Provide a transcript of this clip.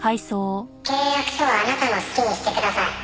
「契約書はあなたの好きにしてください」